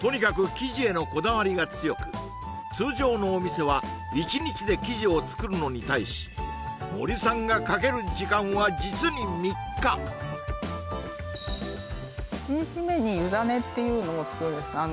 生地へのこだわりが強く通常のお店は１日で生地を作るのに対し森さんがかける時間は実に３日１日目に湯だねっていうのを作るんです